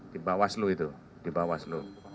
di bawah selu itu di bawah selu